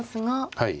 はい。